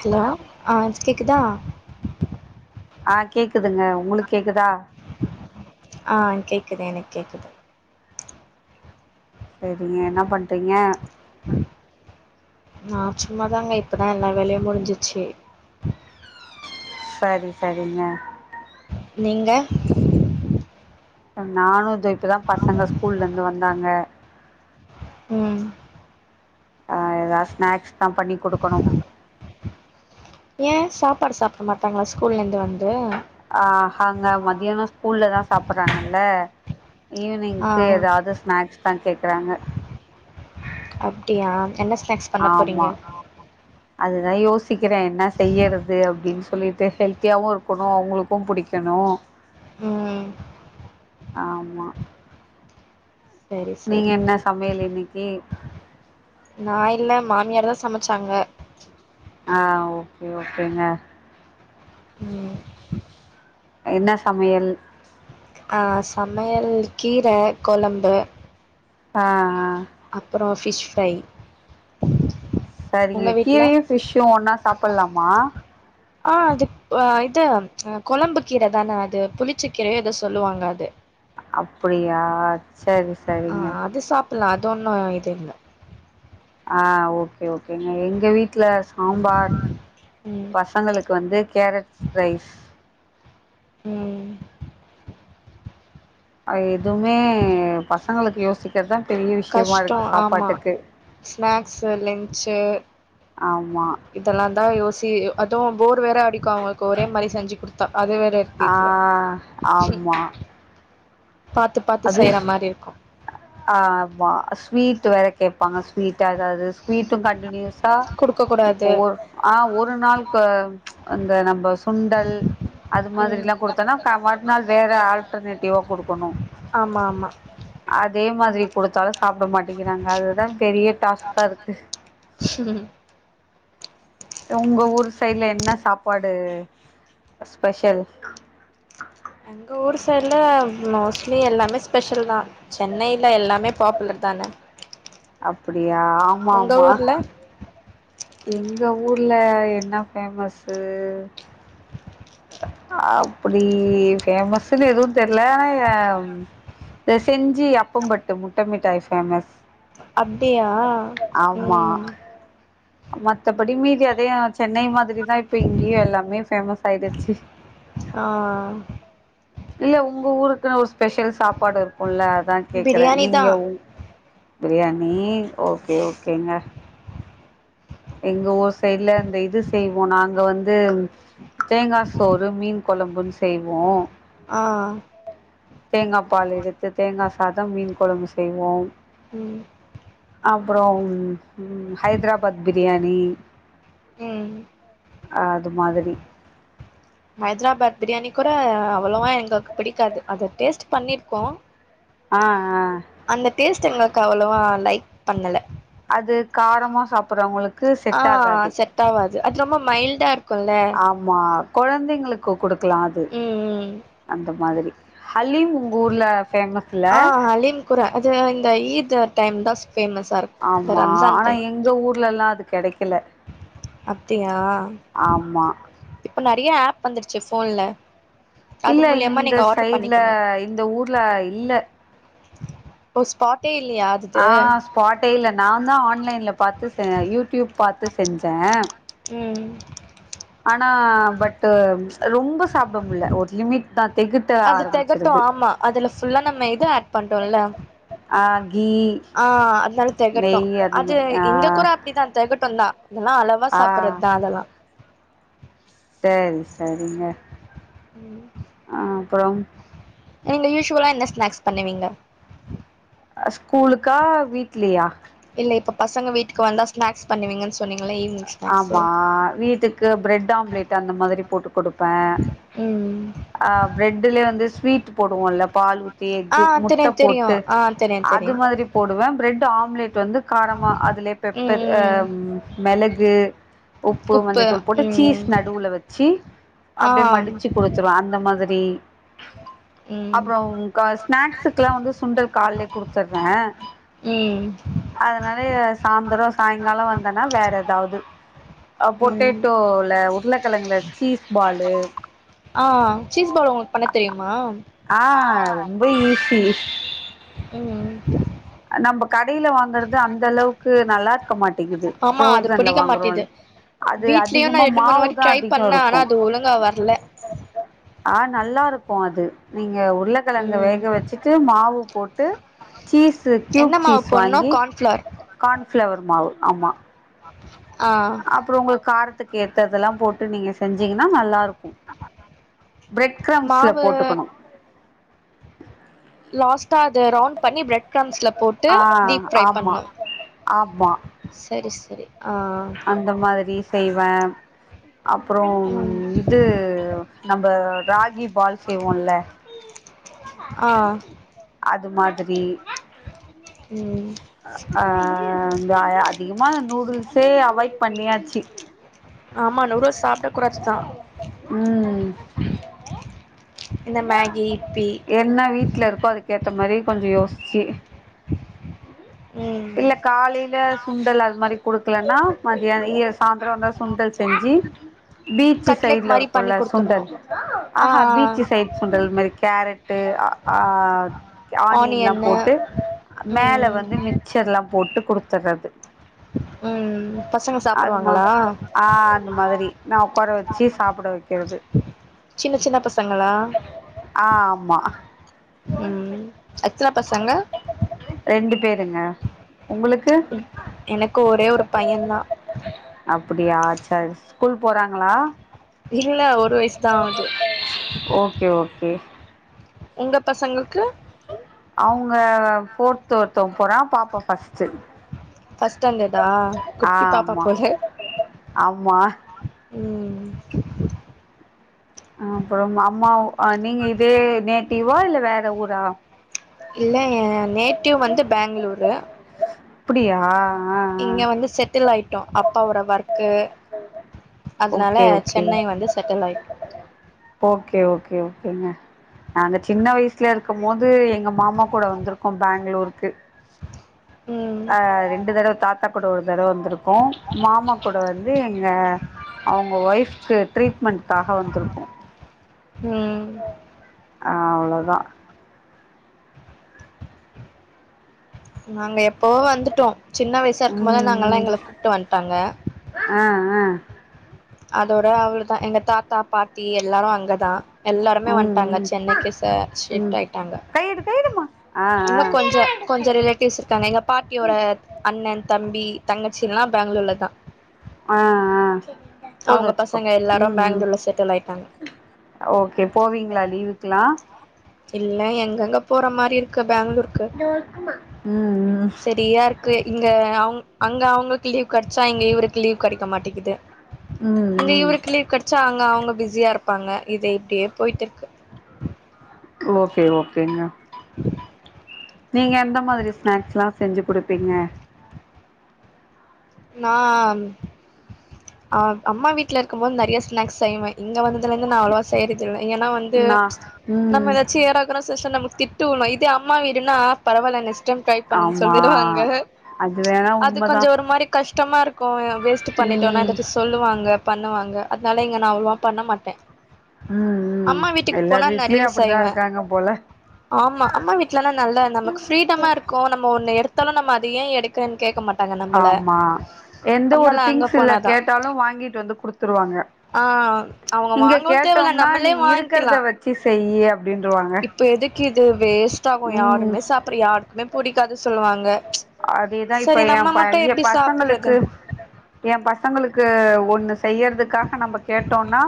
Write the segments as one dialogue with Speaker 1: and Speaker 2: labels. Speaker 1: Hello ஆஹ் கேக்குதா
Speaker 2: ஆஹ் கேக்குதுங்க உங்களுக்கு கேக்குதா
Speaker 1: ஆஹ் கேக்குது எனக்கு கேக்குது
Speaker 2: சரிங்க என்ன பண்றீங்க
Speaker 1: நான் சும்மாதாங்க இப்பதான் எல்லா வேலையும் முடிஞ்சிச்சு
Speaker 2: சரி சரிங்க
Speaker 1: நீங்க
Speaker 2: நானும் [unintelligible] இப்பதான் பசங்க ஸ்கூல்ல இருந்து வந் ந்தாங்க
Speaker 1: உம்
Speaker 2: அஹ் ஏதாவது ஸ்நாக்ஸ் தான் பண்ணி குடுக்கணும்
Speaker 1: ஏன் சாப்பாடு சாப்ட மாட்டாங்களா ஸ்கூல்லேருந்து வந்து
Speaker 2: சாப்பறாங்கள்ள
Speaker 1: ஆ
Speaker 2: ஈவ்னிங்க்கு ஏதாவது ஸ்நாக்ஸ் தான் கேட்கறாங்க
Speaker 1: அப்டியா என்ன ஸ்னாக்ஸ் பண்ண போறீங்க
Speaker 2: அதுதான் யோசிக்கிறேன் என்ன செய்யறது அப்டின்னு சொல்லிட்டு ஹெல்த்தியாவும் இருக்கணும் அவுங்களுக்கும் புடிக்கணும்
Speaker 1: ம்
Speaker 2: ஆமா
Speaker 1: சரி
Speaker 2: நீங்க
Speaker 1: சரி
Speaker 2: என்ன சமையல் இன்னைக்கி
Speaker 1: நான் இல்ல மாமியார் தான் சமைச்சாங்க
Speaker 2: ஆஹ் ஓகே ஓகேங்க
Speaker 1: ம்
Speaker 2: என்னா சமையல்
Speaker 1: ஆஹ் சமையல் கீர கொழம்பு
Speaker 2: ஆஹ் ஆஹ்
Speaker 1: அப்புறம் ஃபிஷ் ஃப்ரை உங்க
Speaker 2: சரிங்க
Speaker 1: வீட்ல
Speaker 2: கீரையும் ஃபிஷ்ஷும் ஒண்ணா சாப்பட்லாமா
Speaker 1: அஹ் குழம்பு கீர தான அது புளிச்ச கீரையோ எதோ சொல்லுவாங்க அது
Speaker 2: அப்டியா சரி சரிங்க
Speaker 1: லா அது ஒன்னும் இது இல்ல
Speaker 2: ஆஹ் ஓகே ஓகேங்க எங்க வீட்ல சாம்பார்
Speaker 1: ம்
Speaker 2: பசங்களுக்கு வந்து கேரட் ரைஸ்
Speaker 1: உம்
Speaker 2: எதுவுமே பசங்களுக்கு யோசிக்கறதா
Speaker 1: கஷ்டோ ஆமா ஸ்நாக்ஸ் லன்ச்சி
Speaker 2: ஆம்
Speaker 1: இதெல்லா தா யோசி அதுவோ வேற அடிக்கமா இருக்கோ ஒரே மாரி செஞ்சு குடுத்தா அது வேற இருக்கு
Speaker 2: ஆ
Speaker 1: இதுல பாத்து பாத்து
Speaker 2: அது
Speaker 1: செய்ற மாரி இருக்கு
Speaker 2: ஆ அத்தா ஸ்வீட் வேற கேட்பாங்க ஸ்வீடா ஏதாது ஸ்வீட்டும் கண்டியூஸ் சா
Speaker 1: குடுக்க
Speaker 2: இப்போ
Speaker 1: கூடாது
Speaker 2: ஒரு ஆ ஒரு நாளுக்கு அந்த நம்ப சுண்டல் அது
Speaker 1: ம்
Speaker 2: மாதிரில்லா கொடுத்தோன்னா மறுநாள் வேற ஆல்டர்னேட்டிவா கொடுக்கணு
Speaker 1: ஆமா ஆமா
Speaker 2: அதே மாதிரி கொடுத்தாலு சாப்புட மாட்டேங்கிறாங்க அதுதா பெரிய டாஸ்க்கா இருக்கு உங்க ஊர் சைடு்ல என்ன சாப்பாடு ஸ்பெஷல்
Speaker 1: எங்க ஊர் சைடுல மோஸ்ட்லி எல்லாமே ஸ்பெஷல் தா சென்னையில எல்லாமே பாப்புலர் தானே
Speaker 2: அப்டியா ஆமா ஆமா
Speaker 1: ஊர்ல
Speaker 2: எங்க ஊர்ல என்ன ஃபேமஸ்ஸு அப்டி ஃபேமஸ்ன்னு எதுவு தெரில ஆனா செஞ்சு அப்பம்பட்டு முட்ட மிட்டாய் ஃபேமஸ்
Speaker 1: அப்டியா
Speaker 2: ஆமா
Speaker 1: ம்
Speaker 2: மத்தபடி மீறி இங்கயு அதே சென்னை மாதிரி இப்ப இங்கேயும் எல்லாமே ஃபேமஸ் ஆயிடுச்சி
Speaker 1: ஆ
Speaker 2: இல்ல உங்க ஊருக்கு ஸ்பெஷல் சாப்பாடு இருக்கும்ல அத்தா கேட்குறே
Speaker 1: பிரியாணி தா
Speaker 2: நீங்க உங் பிரியாணி ஓகே ஓகேங்க எங்க ஊர் சைட்ல இந்த இது செய்வோ நாங்க வந்து தேங்கா சோறு மீன் கொழம்புன்னு செய்வோ
Speaker 1: ஆ
Speaker 2: தேங்கா பால் எடுத்து தேங்கா சாதம் மீன் கொழம்பு செய்வோம்
Speaker 1: ம்
Speaker 2: அப்புறோம் ஹைதராபாத் பிரியாணி
Speaker 1: உம்
Speaker 2: அது மாதிரி
Speaker 1: ஹைதராபாத் பிரியாணி கூட அவ்வளவா எங்களக் பிடிக்காது அத டேஸ்ட் பண்ணிருக்கோ
Speaker 2: ஆ, ஆ.
Speaker 1: அந்த டேஸ்ட் எங்களுக்கு அவ்வளவா லைக் பங்கல
Speaker 2: அது காரமா சாப்பிடுறவங்களுக்கு
Speaker 1: ஆ
Speaker 2: செட் ஆகாது
Speaker 1: செட் ஆவாது அது ரொம்ப மைல்டா இருக்குல்ல
Speaker 2: ஆமா கொழந்தைங்களுக்கு க்கு கொடு கிளாது அந்த மாதிரி ஹலீம் உங்க ஊர்ல ஃபேமஸ்ல?
Speaker 1: ஆஹ் அலிம் குரா அது இந்த ஈது டைம் தா சொ
Speaker 2: ஆமா ஆனா எங்க ஊர்லல்லா அதுக் கெடைக்கல
Speaker 1: அப்டியா
Speaker 2: ஆமா.
Speaker 1: இப்ப நெறைய ஆப் வந்துருச்சே போன்ல
Speaker 2: இல்ல இந்த சைட்ல இந்த ஊர்ல இல்ல
Speaker 1: புஷ்பாத்
Speaker 2: ஆஹ் ஸ்பாட்டே இல்ல நாந்தா ஆன்லைன்ல பாத்து ச யூடியூப் பாத்து செஞ்சே
Speaker 1: உம்
Speaker 2: ஆஹ் பட்டு ரொம்ப சாப்ட முல ஒரு லிமிட் தா தெகட்ட
Speaker 1: அது தகட்டு
Speaker 2: ஆரம்பிச்சிருது
Speaker 1: ஆமா அதுல பல்லா நம்ம இது ஆட் பண்ணோம்ல
Speaker 2: ஆ கீ
Speaker 1: ஆஹ் அதனால தகட்டு
Speaker 2: நெய் அந்த
Speaker 1: அது
Speaker 2: மாதிரி ஆ
Speaker 1: எங்க கூட அப்படிதான் தகட்டுதா அதெல்லா அளவா
Speaker 2: ஆ
Speaker 1: சாப்றதா அதெல்லா
Speaker 2: சரி சரிங்க
Speaker 1: உம்
Speaker 2: அஹ் அப்புறோ
Speaker 1: நீங்க யூசுவலா எந்த ஸ்நாக்ஸ் பண்ணுவீங்க
Speaker 2: ஸ்கூல்லுக்கா வீட்லயா
Speaker 1: இல்ல இப்ப பசங்க வீட்டுக்கு வந்தா ஸ்நாக்ஸ் பண்ணுவீங்கன் சொன்னிங்
Speaker 2: ஆமா வீட்டுக்கு பிரெட் ஆம்லெட் அந்த மாதிரி போட்டு கொடுப்
Speaker 1: ம்
Speaker 2: ஆஹ் பிரெடலயே வந்து ஸ்வீட் போடுவோல்ல பாலு
Speaker 1: ஆ
Speaker 2: எக்கு முட்ட
Speaker 1: தெரியு தெரியு
Speaker 2: போட்டு
Speaker 1: ஆ தெரியு
Speaker 2: அது
Speaker 1: தெரியு
Speaker 2: மாதிரி போடுவே பிரெட் முட்ட ஆம்லேட் வந்து காரமா அதுல பெப்பர்
Speaker 1: ம் ம்
Speaker 2: அஹ்ம் மெளகு உப்பு மஞ்சத்தூள் போட்டு சீஸ் நடுவுல வச்சு
Speaker 1: ஆ
Speaker 2: அப்டியே மடிச்சு குடுத்துரு அந்த மாதிரி தீ
Speaker 1: ம்
Speaker 2: அப்புற கா ஸ்நாக்ஸுக்குல்லா வந்து சுண்டல் காலயே குடுத்துடுறே
Speaker 1: ம்
Speaker 2: அதனால சாந்திரஸ் சாயங்கால வந்தேன்னா வேற எது ஆ
Speaker 1: ம்
Speaker 2: பொட்டோட்டோல உருளக்கிழங்குல சீஸ் பாலு
Speaker 1: ஆஹ் சீஸ் பாலு உங்களுக்கு பண்ண தெரியுமா
Speaker 2: ஆஹ் ரொம்ப ஈசி
Speaker 1: ம்
Speaker 2: நம்ம கடில வாங்கறது அந்த அளவுக்கு நல்லா இருக்க மாட்டேங்
Speaker 1: ஆமா அது புடிக்க மாட்டிது
Speaker 2: அது
Speaker 1: வீட்லயு
Speaker 2: அதிகமா
Speaker 1: நான் ரெண்டு மூணு
Speaker 2: மாவு
Speaker 1: வதி
Speaker 2: தா
Speaker 1: ட்ரை
Speaker 2: அதிகோ
Speaker 1: பண்ணேன்
Speaker 2: இருக்கு
Speaker 1: ஆனா அது ஒழுங்கா வரல
Speaker 2: ஆஹ் நல்லா இருக்கு அது நீங்க உர்ளக்கிழங்க
Speaker 1: ம்
Speaker 2: வேக வச்சுட்டு மாவு போட்டு சீஸ் கியூப்
Speaker 1: என்ன மாவு
Speaker 2: சீஸ்
Speaker 1: போட்ணு
Speaker 2: வாங்கி
Speaker 1: கார்ன்ஃப்ளார்
Speaker 2: கார்ன்ஃப்ளவர் மா ஆமா
Speaker 1: ஆ
Speaker 2: அப்புறோ உங்களுக்கு காரத்துக்கு ஏத்ததெல்லா போட்டு நீங்க செஞ்சீங்கன்னா நல்லா இருக்கு பிரட் கிராம்ஸ்ல
Speaker 1: மாவு
Speaker 2: போட்டுக்கணு
Speaker 1: லாஸ்டா அது ரவுண்ட பண்ணி பிரெட் கிராம்ஸ்ல போட்டு
Speaker 2: ஆ
Speaker 1: டீப் ஃப்ரை
Speaker 2: ஆமா
Speaker 1: பண்ணனு
Speaker 2: ஆமா
Speaker 1: செரி செரி
Speaker 2: அந்த மாதிரி செய்வே அப்புறோ
Speaker 1: ம்
Speaker 2: இது நம்ம ராகி பால் செய்வோல
Speaker 1: ஆ
Speaker 2: அது மாதிரி
Speaker 1: ம்
Speaker 2: அஹ் து அதி இன்மா நூடுல்ஸே அவாய்ட் பண்ணியாச்சு
Speaker 1: ஆமா வ்லொர்ஸ் சாப்பிட குறதுதான்
Speaker 2: ம்
Speaker 1: இந்த மேகி யிப்பி
Speaker 2: என்ன வீட்டுல இருக்கோ அது கேட் இந்த மாரி கொஞ்சோ யோசிச்சு
Speaker 1: ம்
Speaker 2: இல்ல காலையில சுண்டல் அது மாதிரி குடுக்கலன்னா மதியான இய சாயந்தரம் வந்தா சுண்டல் செஞ்சு பீச்சு
Speaker 1: கட்லெட்
Speaker 2: சைடுல
Speaker 1: மாரி
Speaker 2: இருக்குள்ள
Speaker 1: பண்ணி குடுத்துட்ணு
Speaker 2: சுண்டல்
Speaker 1: ஆ
Speaker 2: ஆஹா பீச்சு சைடு சுண்டல் மாிரி கேரட்டு ஆஹ் ஆனியன் எல்லா
Speaker 1: ஆனியன்னு
Speaker 2: போட்டு மேல
Speaker 1: ம்
Speaker 2: வந்து மிக்ஸ் றலா எல்லா போட்டு கொடுத்தறது
Speaker 1: ம் பசங்க
Speaker 2: அதுமா
Speaker 1: சாப்டுவாங்களா
Speaker 2: ஆஹ் அந்த மாதிரி நா உட்கார வச்சு சாப்பிட வைக்கிறது
Speaker 1: சின்ன சின்ன பசங்களா
Speaker 2: ஆஹ் ஆமா ஆ
Speaker 1: உம் அச்சலா பசங்க
Speaker 2: ங்க
Speaker 1: எனக்கு ஒரே ஒரு பைய தா
Speaker 2: அப்டியா சர் ஸ்கூல் போறாங்களா
Speaker 1: இல்ல ஒரு வயசுதா ஆவுது
Speaker 2: [unintelligible]
Speaker 1: உங்க பசங்களுக்கு
Speaker 2: அவங்க ஃபோர்த்து ஒருத்தவங்க போறா பாப்பா ஃபர்ஸ்ட்
Speaker 1: பஸ்ட் ஸ்டாண்டர்டா குட்டி பாப்பா போல
Speaker 2: ஆமா
Speaker 1: உம்
Speaker 2: அப்புறம் அம்மா வு ஆ நீங்க இதே நே டிவா இல்ல வேற ஊரா
Speaker 1: இல்ல என் நேட்டிவ் வந்து பெங்களூரு
Speaker 2: அப்டியா ஆ ஆ
Speaker 1: இங்க வந்து செட்டில் ஆய் ட்டோ அப்பவோட ஒர்க் அதனால
Speaker 2: ஓகே ஓகே
Speaker 1: சென்னை வந்து செட்டில் ஆயிட்டோ
Speaker 2: ஓகே ஓகே ஓகேங்க நாங்க அந்த சின்ன வயசுல இருக்கும் போது எங்க மாமா கூட வந்திருக்கோ பேங்களூருக்கு
Speaker 1: ம்
Speaker 2: ஆஹ் ரெண்டு தடவை தாத்தா கூட ஒரு தடவை வந்திருக்கு கோம் மாமா கூட வந்து எங்க அவங்க ஒய்ஃப்க்கு ட்ரீட்மெண்டக்காக வந்தருக்கோ.
Speaker 1: ம்
Speaker 2: ஆஹ் அவ்வளவுதா
Speaker 1: நாங்க எப்பவோ வந்துட்டோ. சின்ன வயசா இருக்கு போது
Speaker 2: ம்
Speaker 1: நாங்கல்லா
Speaker 2: ம்
Speaker 1: எங்கள கூப்ட்டு வந்துட்டாங்க.
Speaker 2: ஆ [inaudible]
Speaker 1: அதோட அவளதா எங்க தாத்தா பாட்டி எல்லாரு அங்கதா
Speaker 2: ம்
Speaker 1: எல்லாருமே வந்துட்டாங்க
Speaker 2: ம்
Speaker 1: சென்னைக்கு ஷ
Speaker 2: ம்
Speaker 1: ஷிஃப்ட் ஆயிட்டாங்க.
Speaker 2: கையெடு கையெடுமா ஆ ஆ
Speaker 1: இன்னு கொஞ்ச கொஞ்சோ ரிலேட்டிவ்ஸ் இருக்காங்க. எங்க பாட்டியோட அண்ணன் தம்பி தங்கச்சில்லா பெங்களூர்ல தா
Speaker 2: ஆஹ் ஆஹ் போத
Speaker 1: அவங்க
Speaker 2: வச்சுக்கோ
Speaker 1: பசங்க எல்லாரு
Speaker 2: உம் உ.
Speaker 1: பெங்களூர்ல செட்டில் ஆயிட்டாங்க
Speaker 2: ஓகே போவீங்களா லீவுக்கலா.
Speaker 1: இல்ல எங்கங்க போற மாரி இருக்கு. பெங்களூர்
Speaker 2: உம்
Speaker 1: சரியா இருக்கு
Speaker 2: உ
Speaker 1: இங்க அவங்க அங்க அவங்களுக்கு லீவ் கெடச்ச இங்க இவருக்கு லீவ் கிடைக்க மாட்டேங்கிது.
Speaker 2: ம்
Speaker 1: இங்க
Speaker 2: ம்
Speaker 1: இவருக்கு லீவ் கிடைச்சா அங்க அவங்க பிஸியா இருப்பாங்க இத இப்டியே போய்ட்டு இருக்கு
Speaker 2: ஓகே ஓகேங்க நீங்க எந்த மாரி ஸ்நாக்ஸ் எல்லா செஞ்சு குடுப்பீங்க.
Speaker 1: நா ஆஹ் அம்மா வீட்டுல இருக்கும் போது நெறைய ஸ்நேக்ஸ் செய்வே. இங்க வந்து இதிலிருந்து நா அவ்ளவா செயர்தில ஏன்னா வந்து
Speaker 2: நா
Speaker 1: நம்ம
Speaker 2: ம்
Speaker 1: ஏதாச்சு எடாகுடம் [unintelligible] திட்டு வுழு இதே அம்மா வீடுனா பரவால்ல நெக்ஸ்ட் டைம் டிரை பண்ணுனு
Speaker 2: ஆமா
Speaker 1: சொல்லிடுவாங்க,
Speaker 2: அது வேணா
Speaker 1: அது
Speaker 2: உண்மதா
Speaker 1: கொஞ்சோ ஒரு மாரி கஷ் டமா இருக் கு வேஸ்ட் பண்ணி டோன்னா
Speaker 2: ம்
Speaker 1: எதாத்து சொல்லுவாங்க பண்ணுவாங் ங்க அத்னால இங்க நா அவ்வளவா பண்ண மாட்டே
Speaker 2: ம் ம்
Speaker 1: அம்மா வீட்டுக்கு
Speaker 2: எல்லார்
Speaker 1: போனா நறைய
Speaker 2: வீட்லயு அப்டிதா
Speaker 1: செய்வ
Speaker 2: இருக்காங்க போல
Speaker 1: ஆமா அம்மா வீட்லல்லா நல்ல நமக்கு ஃப்ரீடமா இருக்கு நம்ம ஒண்ணு எடுத் தாலு நம்ம இத ஏ எடுக்குறன் கேக்க மாட்டாங்க நம்பள
Speaker 2: ஆமா எந்த ஒரு
Speaker 1: அத்னால அங்க
Speaker 2: திங்ஸ் இல்ல
Speaker 1: போனாதா
Speaker 2: கேட்டாலு வாங்கிட்டு வந்து குடுத்துருவாங்க
Speaker 1: ஆ அவங்க
Speaker 2: இங்கெ
Speaker 1: வாங்கவு தேவல்ல
Speaker 2: கேட்டோம்னா நீ
Speaker 1: நம்மளே வாங்கிக்கலா
Speaker 2: இருக்குறத வச்சி செய்யி அப்டின்ருவாங்க
Speaker 1: கிது வேஸ்ட்டாகு
Speaker 2: ம்
Speaker 1: யாருமே சாப்ற யாருக்குமே புடி க்காது சொல்வாங்க
Speaker 2: அதேதா இப்ப ஏ பைய ஏ
Speaker 1: சாப்புட்றது
Speaker 2: பசங்களுக்கு ஏ ப சங்களுக்கு ஒண்ணு செய்யற்துக்காக நம்ம கேட்டோன்னா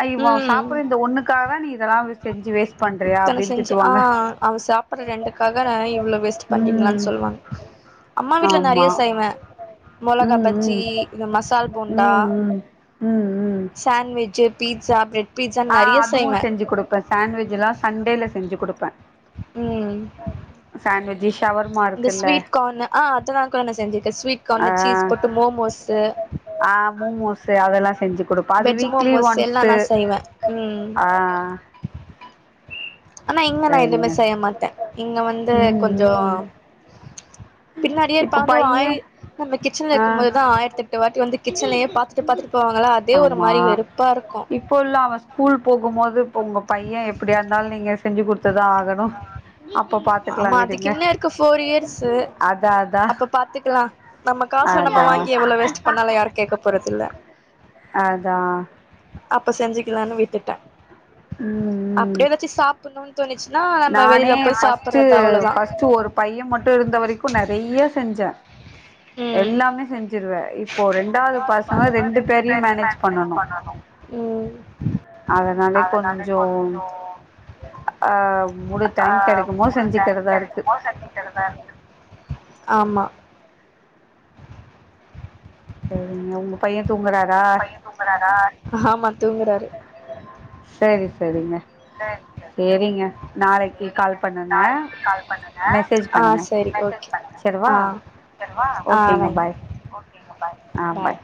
Speaker 2: அ இவொ
Speaker 1: ம்
Speaker 2: சாப்புர்ற இந்த ஒண்ணுக்கா காகதா நீ இதெல்லா செஞ்சு வேஸ்ட் பண்றியா
Speaker 1: இத்தன
Speaker 2: அப்டின்னு
Speaker 1: செஞ்சி ஆ
Speaker 2: திட்டுவாங்க
Speaker 1: அவ சாப்புர்ற ரெண்டுக்காக நா இவ்ளொவ் வேஸ்ட் பண்ட்டிங்ளான்
Speaker 2: ம்
Speaker 1: சொல்வாங்க அம்மா வீட்ல
Speaker 2: ஆமா
Speaker 1: நெறைய செய்வே மொளகா
Speaker 2: ம்
Speaker 1: பஜ்ஜி
Speaker 2: ம்
Speaker 1: இந்த மசால்
Speaker 2: ம்
Speaker 1: போண்டா
Speaker 2: ம் ம் ம்
Speaker 1: சாண் விஜ்ஜு பீட்ஸா ப்ரட் பீட்சான் நெறைய செய்வே
Speaker 2: குடுப்ப சாண்ட்விஜ்லா சண்டேல செஞ்சு குடுப்ப
Speaker 1: ம்
Speaker 2: சாண்ட்விச்
Speaker 1: இந்த ஸ்வீட் கார்ன் ஆ அதல்லா கூட நா செஞ்சிருக்க ஸ்வீட்
Speaker 2: அ
Speaker 1: கார்னு சீஸ் போட்டு மோமோஸு
Speaker 2: ஆ மூமூசு அதெல்லா செஞ்சு குடுப்ப அது
Speaker 1: வெஜ்
Speaker 2: வீக்லி
Speaker 1: மோமோஸ் எல்லா
Speaker 2: ஒன்ஸு
Speaker 1: நா செய்வே ம்
Speaker 2: ஆ
Speaker 1: ஆனா இங்க நா எதுமே
Speaker 2: சரிங்க ச
Speaker 1: செய்ய மாட்ட இங்க வந்து
Speaker 2: ம்
Speaker 1: கொஞ்ச
Speaker 2: ம்
Speaker 1: பின்னாடியே
Speaker 2: இப்ப
Speaker 1: இருப்பாங்க
Speaker 2: பைய
Speaker 1: ஆயி நம்ம கிச்சன்ல
Speaker 2: ஆ
Speaker 1: இருக்கும்போதுதா ஆயிரத்தெட்டு வாட்டி வந்து கிச்சன்லயே பாத்துட்டு பாத்துட்டு போவாங்களா அதே ஒரு
Speaker 2: ஆமா
Speaker 1: மாரி வெறுப்பா இருக்கு
Speaker 2: போது இப்ப உங்க பைய எப்படியா இருந்தாலு நீங்க செஞ்சு குடுத் துதா ஆகணு அப்ப பாத்துக்கலா
Speaker 1: ஆமா அதுக்கு
Speaker 2: விடுங்க
Speaker 1: இன்னு இருக்கு ஃபோர் இயர்ஸு
Speaker 2: அதா அதா
Speaker 1: அப்ப பாத்துக்கலா நம்ம காசுல நம்ம
Speaker 2: அதா
Speaker 1: வாங்கி எவ்வளவு வேஸ்ட் பண்ணாலு யாரு கேக்க போறதில்ல
Speaker 2: அதா
Speaker 1: அப்ப செஞ்சுக்கலான்னு விட்டுட்டே
Speaker 2: ம் ம்
Speaker 1: அப்டியே ஏதாச்சு சாப்டணுன் தோணுச்சு
Speaker 2: நானே ஃபஸ்ட்டு ஃபஸ்ட்டு ஒரு பைய மட்டு இருந்த வரைக்கு நறைய செஞ்சே
Speaker 1: ம்
Speaker 2: எல்லாமே செஞ்சு ருவ இப்போ ரெண்டாவது பசங்க ரெண்டு பேரையு மேனேஜ் பண்ணனு
Speaker 1: ம்
Speaker 2: அதனாலே கொஞ்சம் அஹ் முழு டைம் கெடைக்குமோ செஞ்சுக்கிறதா இருக்கு
Speaker 1: ஆமா
Speaker 2: சரிங்க உங்க பைய தூங்குறாரா
Speaker 1: ஆமா தூங்கறாரு
Speaker 2: சரி சரிங்க சரிங்க நாளைக்கு கால் பண்ணுங்க மெசேஜ்
Speaker 1: ஆ
Speaker 2: பண்ணுங்க
Speaker 1: சரி ஓகே
Speaker 2: வச்சிரவா
Speaker 1: ஆ ஆ
Speaker 2: ஓகேங்க
Speaker 1: வைங்க
Speaker 2: பாய் ஆ பாய்